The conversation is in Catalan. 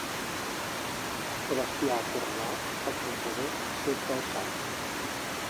El bestiar acorralat, el comprador sempre el sap.